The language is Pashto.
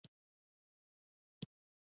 مصنوعي ځیرکتیا د انسان ځانګړتیاوې بیا ارزوي.